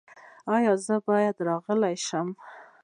ایا زه باید غلی شم؟